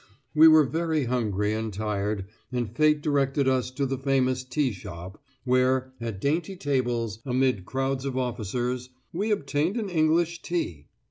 We were very hungry and tired, and fate directed us to the famous tea shop, where, at dainty tables, amid crowds of officers, we obtained an English tea!